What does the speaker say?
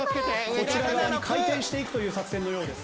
こちら側に回転していくという作戦のようです。